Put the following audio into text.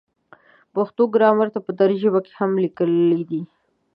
پښتو ګرامر په دري ژبه هم لیکلی دی.